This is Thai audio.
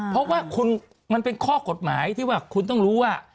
เพราะว่ามันเป็นข้อกฎหมายที่ว่าคุณต้องรู้ว่า